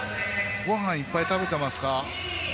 ごはんいっぱい食べてますか？